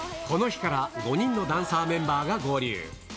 この日から５人のダンサーメンバーが合流。